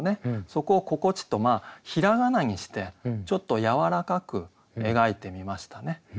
そこを「ここち」と平仮名にしてちょっとやわらかく描いてみましたね。